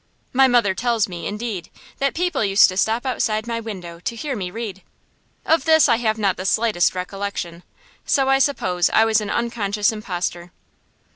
My mother tells me, indeed, that people used to stop outside my window to hear me read. Of this I have not the slightest recollection, so I suppose I was an unconscious impostor.